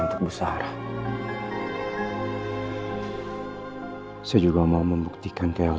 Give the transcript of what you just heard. tapi saya juga harus berpikir pikir